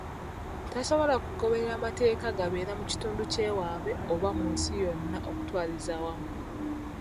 Tasobola kugoberera mateeka gabeera mu kitundu ky'ewaabwe oba mu nsi yonna okutwalizaawamu.